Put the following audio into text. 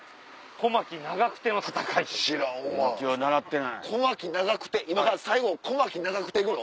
小牧・長久手今から最後小牧・長久手行くの？